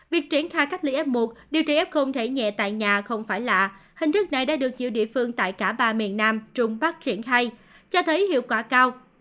việc triển khai cách ly f một điều trị f thể nhẹ tại nhà không phải lạ hình thức này đã được nhiều địa phương tại cả ba miền nam trung bắc triển khai cho thấy hiệu quả cao